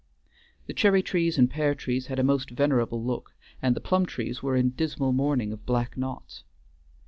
The cherry trees and pear trees had a most venerable look, and the plum trees were in dismal mourning of black knots.